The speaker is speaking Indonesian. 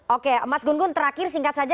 oke mas gun gun terakhir singkat saja